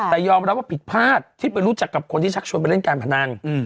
แต่ยอมรับว่าผิดพลาดที่ไปรู้จักกับคนที่ชักชวนไปเล่นการพนัน